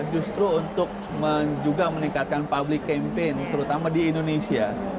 justru untuk juga meningkatkan public campaign terutama di indonesia